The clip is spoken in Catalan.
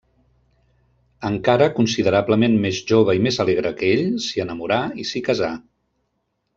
Encara considerablement més jove i més alegre que ell, s'hi enamora i s’hi casa.